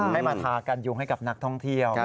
ให้มาทากันยุงให้กับนักท่องเที่ยว